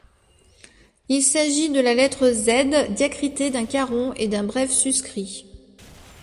Il s’agit de la lettre Z diacritée d’un caron et d’un brève suscrit.